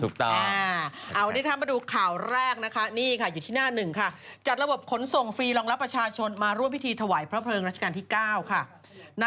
สูตรอาวุธตอบไปดูข่าวแรกนะคะนี่ค่ะอยู่ธินาหนึ่งค่ะจอดระบบขนส่งฟรีรองรับประชาชนมารวมพิธีถวายพระประเภงรัชกาลที่๙ค่ะ